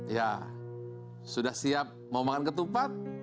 ya sudah siap mau makan ketupat